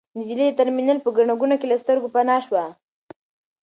نجلۍ د ترمینل په ګڼه ګوڼه کې له سترګو پناه شوه.